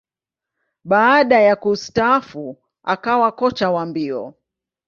Baada ya kustaafu, akawa kocha wa mbio.